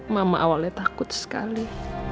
mama awalnya takut sekali